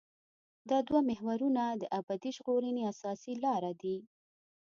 دا دوه محورونه د ابدي ژغورنې اساسي لاره دي.